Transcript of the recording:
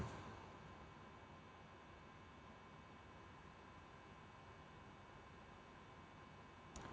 bagaimana cara kita bisa memperbaiki keadaan negara indonesia